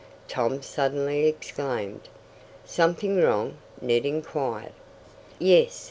Tom suddenly exclaimed. "Something wrong?" Ned inquired. "Yes.